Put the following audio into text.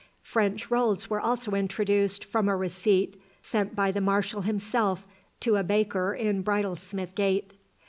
French rolls were also introduced from a receipt sent by the Marshall himself to a baker in Bridlesmith gate.